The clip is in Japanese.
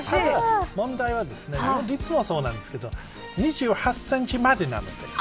問題は、いつもそうなんですけど２８センチまでなの。